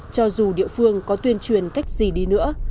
cho dù địa phương có tuyên truyền cách gì đi nữa